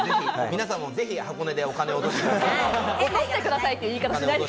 皆さんもぜひ箱根でお金を落としてください。